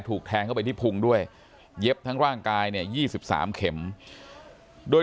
ถูกแทงเข้าไปที่พุงด้วยเย็บทั้งร่างกายเนี่ย๒๓เข็มโดย